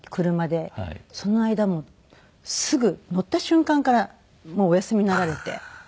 その間もすぐ乗った瞬間からもうお休みになられて。